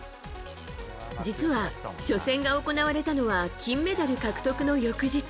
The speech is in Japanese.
実は、初戦が行われたのは金メダル獲得の翌日。